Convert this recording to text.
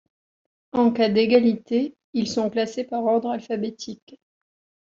En cas d'égalité, ils sont classés par ordre alphabétique.